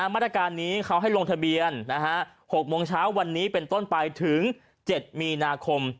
มาตรการนี้เขาให้ลงทะเบียน๖โมงเช้าวันนี้เป็นต้นไปถึง๗มีนาคม